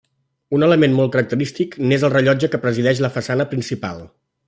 Un element molt característic n'és el rellotge que presideix la façana principal.